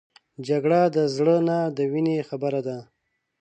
جګړه د زړه نه د وینې خبره ده